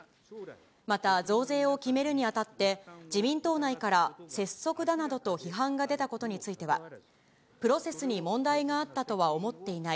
また増税を決めるにあたって、自民党内から拙速だなどと批判が出たことについては、プロセスに問題があったとは思っていない。